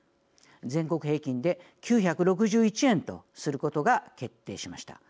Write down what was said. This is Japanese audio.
全国平均で９６１円とすることが決定しました。